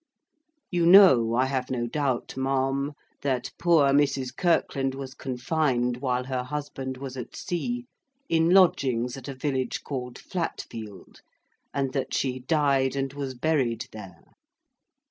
You know I have no doubt, ma'am, that poor Mrs. Kirkland was confined while her husband was at sea, in lodgings at a village called Flatfield, and that she died and was buried there.